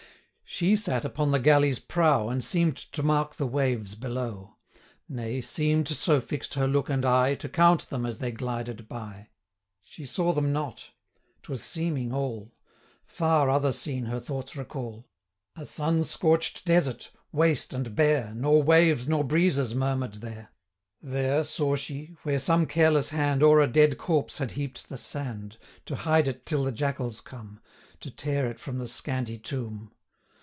She sate upon the galley's prow, And seem'd to mark the waves below; 100 Nay, seem'd, so fix'd her look and eye, To count them as they glided by. She saw them not 'twas seeming all Far other scene her thoughts recall, A sun scorch'd desert, waste and bare, 105 Nor waves, nor breezes, murmur'd there; There saw she, where some careless hand O'er a dead corpse had heap'd the sand, To hide it till the jackals come, To tear it from the scanty tomb.